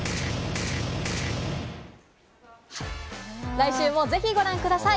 来週もぜひご覧ください。